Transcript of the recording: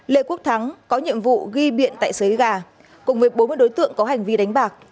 lê quốc thắng có nhiệm vụ ghi biện tại xới gà cùng với bốn mươi đối tượng có hành vi đánh bạc